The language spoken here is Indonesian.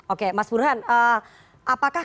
oke mas burhan apakah